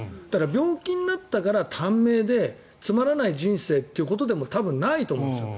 病気になったから短命でつまらない人生ということでも多分、ないと思うんですよ。